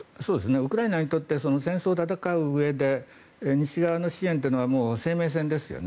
ウクライナにとって戦争を戦ううえで西側の支援というのは生命線ですよね。